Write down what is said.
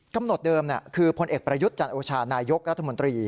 เดิมคือพลเอกประยุทธ์จันโอชานายกรัฐมนตรี